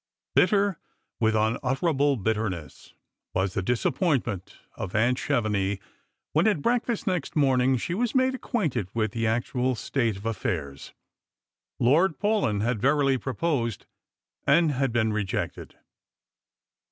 Bitter, with unutterable bitterness, was tbe disappointment of aunt Chevenix, when at breakfast next morning she was made acquainted with the actual state of affairs. Lord Paulyn had verily proposed, and had been rejected.